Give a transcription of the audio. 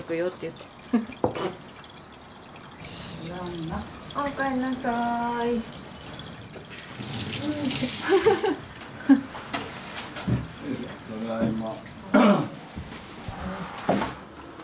ただいま。